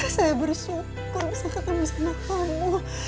saya bersyukur bisa ketemu sama kamu